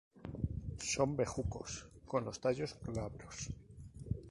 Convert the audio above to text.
Son bejucos; con los tallos glabros.